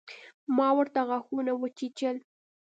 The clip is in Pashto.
ما ورته غاښونه وچيچل.